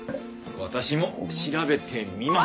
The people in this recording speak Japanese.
私も調べてみます！